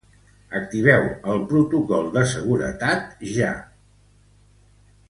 Activeu el protocol de seguretat ja.